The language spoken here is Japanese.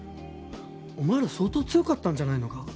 お前ら相当強かったんじゃないのか？